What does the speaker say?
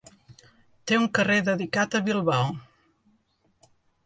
Té un carrer dedicat a Bilbao.